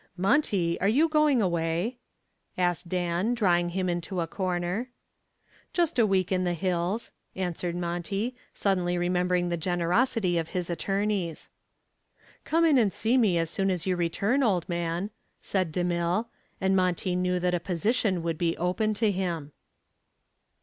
"Monty, are you going away?" asked Dan, drawing him into a corner. "Just a week in the hills," answered Monty, suddenly remembering the generosity of his attorneys. "Come in and see me as soon as you return, old man," said DeMille, and Monty knew that a position would be open to him.